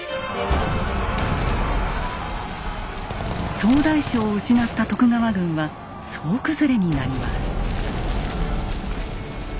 総大将を失った徳川軍は総崩れになります。